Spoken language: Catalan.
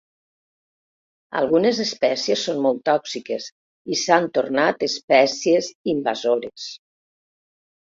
Algunes espècies són molt tòxiques i s'han tornat espècies invasores.